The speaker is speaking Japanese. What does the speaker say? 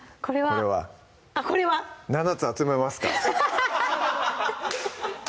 あっこれは７つ集めますか？